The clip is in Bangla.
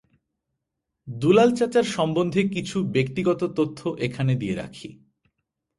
দুলাল চাচার সম্বন্ধে কিছু ব্যক্তিগত তথ্য এখানে দিয়ে রাখি।